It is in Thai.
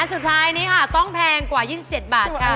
สุดท้ายนี้ค่ะต้องแพงกว่า๒๗บาทค่ะ